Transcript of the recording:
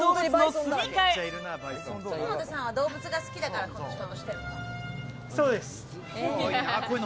杉本さんは動物が好きだからこの仕事してるの？